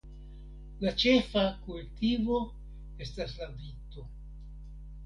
La ĉefa kultivo estas la vito.